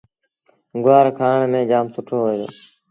گُوآر کآڻ ميݩ جآم سُٺو هوئي دو۔